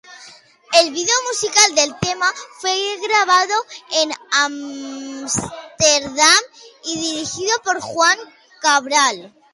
El video musical del tema fue grabado en Ámsterdam y dirigido por Juan Cabral.